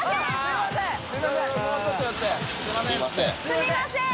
すみません。